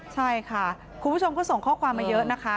ใช่ค่ะคุณผู้ชมก็ส่งข้อความมาเยอะนะคะ